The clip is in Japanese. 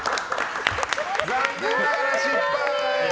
残念ながら、失敗。